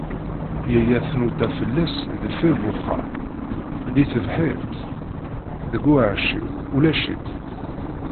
Yaya tnuda fell-as deffir n uxxam, di tebḥirt, deg uɛecciw. Ulac-itt.